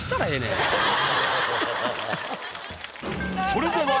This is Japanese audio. それでは。